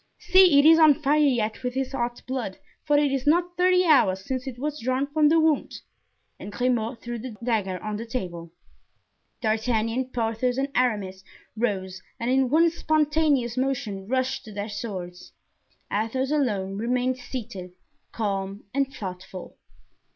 See, it is on fire yet with his hot blood, for it is not thirty hours since it was drawn from the wound." And Grimaud threw the dagger on the table. D'Artagnan, Porthos and Aramis rose and in one spontaneous motion rushed to their swords. Athos alone remained seated, calm and thoughtful.